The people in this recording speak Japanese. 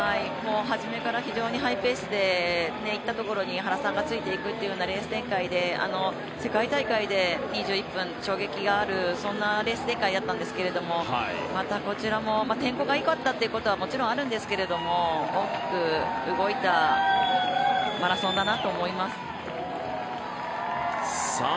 はじめから非常にハイペースでいったところに原さんがついていくというレース展開で世界大会で２１分、衝撃のあるそんなレース展開だったんですがまたこちらも、天候がよかったっていうところはもちろんあるんですけど大きく動いたマラソンだなと思います。